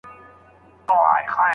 موږ به د ظهار کفاره نه ځنډوو.